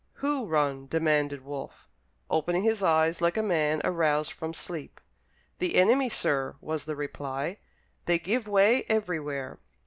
"Who run?" demanded Wolfe, opening his eyes like a man aroused from sleep. "The enemy, sir," was the reply; "they give way everywhere."